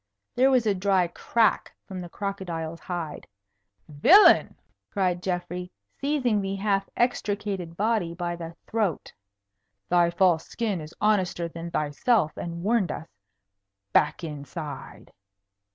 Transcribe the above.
There was a dry crack from the crocodile's hide. "Villain!" cried Geoffrey, seizing the half extricated body by the throat. "Thy false skin is honester than thyself, and warned us. Back inside!"